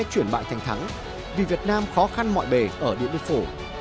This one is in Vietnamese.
chuyển bại thành thắng vì việt nam khó khăn mọi bề ở điện biên phủ